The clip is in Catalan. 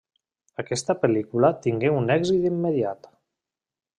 Aquesta pel·lícula tingué un èxit immediat.